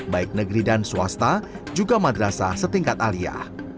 baik negeri dan swasta juga madrasah setingkat alia